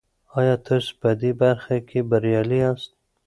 آیا تاسو په دې برخه کې بریالي یاست؟